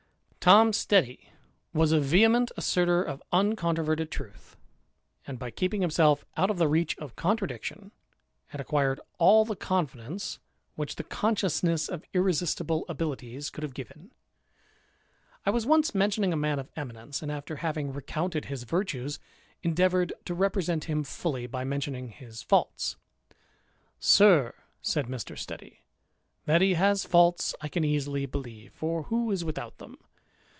Tom Steady was a vehement assertor of uncontroverted truth ; and, by keeping himself out of the reach of con tradiction, had acquired all the confidence which the 324 THE IDLER. I . of inesistible abilities could have given. 1 was once mentioning a man of eminence, and, after having recounted tiis virtues, endeavoured to represent him fully, by mentioning his faults. " Sir," said Mr. Steady, " that he has faults I can easily believe, for who is without them